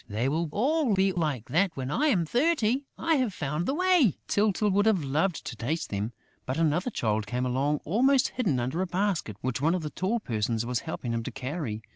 "They will all be like that when I am thirty: I have found the way...." Tyltyl would have loved to taste them, but another Child came along almost hidden under a basket which one of the tall persons was helping him to carry.